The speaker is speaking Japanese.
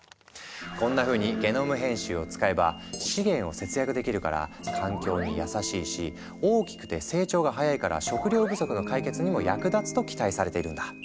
こんなふうにゲノム編集を使えば資源を節約できるから環境に優しいし大きくて成長が早いから食糧不足の解決にも役立つと期待されているんだ。